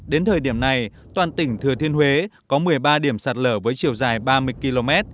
đến thời điểm này toàn tỉnh thừa thiên huế có một mươi ba điểm sạt lở với chiều dài ba mươi km